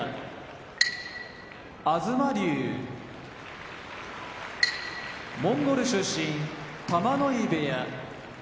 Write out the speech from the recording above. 東龍モンゴル出身玉ノ井部屋